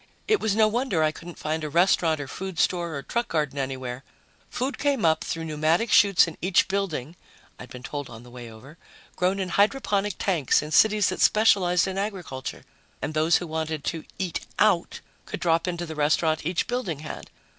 It was no wonder I couldn't find a restaurant or food store or truck garden anywhere food came up through pneumatic chutes in each building, I'd been told on the way over, grown in hydroponic tanks in cities that specialized in agriculture, and those who wanted to eat "out" could drop into the restaurant each building had.